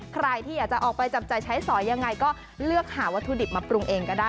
ใครที่อยากจะออกไปจับจ่ายใช้สอยยังไงก็เลือกหาวัตถุดิบมาปรุงเองก็ได้